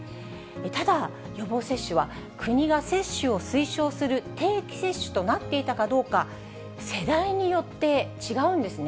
ただ、予防接種は、国が接種を推奨する定期接種となっていたかどうか、世代によって違うんですね。